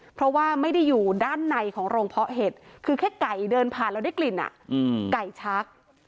เพราะว่าไม่ได้อยู่ด้านในของโรงเพาะเห็ดคือแค่ไก่เดินผ่านแล้วได้กลิ่นไก่ชัก